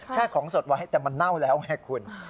ของสดไว้แต่มันเน่าแล้วไงคุณ